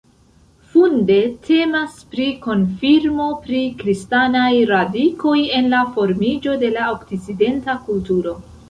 Funde temas pri konfirmo pri kristanaj radikoj en la formiĝo de la okcidenta kulturo.